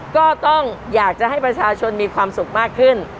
ก็ต้องอยากจะให้ประชาชนมีความสุขมากขึ้น